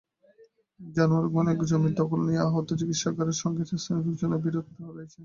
জানারঘোনায় জমির দখল নিয়ে আহত চিকিৎসকের সঙ্গে স্থানীয় লোকজনের বিরোধ রয়েছে।